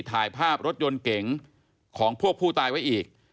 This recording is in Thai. ถ่ายภาพรถยนต์เก๋งของพวกผู้ตายไว้อีก